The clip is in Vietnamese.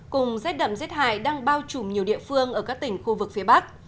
cùng rét đậm rét hại đang bao trùm nhiều địa phương ở các tỉnh khu vực phía bắc